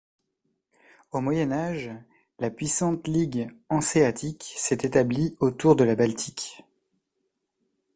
Au Moyen Âge, la puissante ligue hanséatique s'est établie autour de la Baltique.